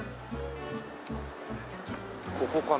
ここかな？